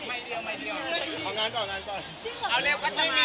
เอาเล็บกันอันสมาน